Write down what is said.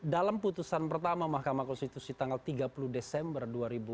dalam putusan pertama mahkamah konstitusi tanggal tiga puluh desember dua ribu dua puluh